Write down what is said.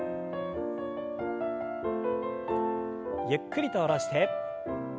ゆっくりと下ろして。